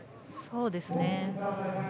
そうですね。